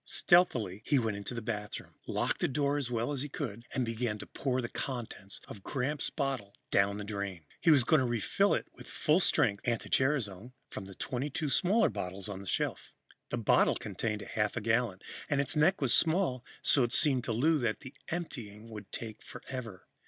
Stealthily, he went into the bathroom, locked the door as well as he could and began to pour the contents of Gramps' bottle down the drain. He was going to refill it with full strength anti gerasone from the 22 smaller bottles on the shelf. The bottle contained a half gallon, and its neck was small, so it seemed to Lou that the emptying would take forever.